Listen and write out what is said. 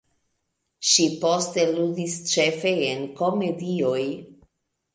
Ŝi poste ludis ĉefe en komedioj.